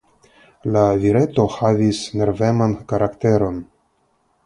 La vireto havis nerveman karakteron.